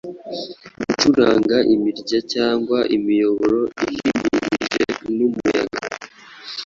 gucuranga imirya cyangwa imiyoboro ihimihije numuyaga